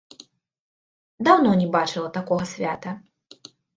Даўно не бачыла такога свята.